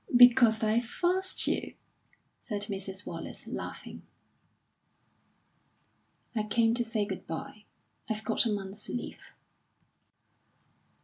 "Because I forced you," said Mrs. Wallace, laughing. "I came to say good bye; I've got a month's leave."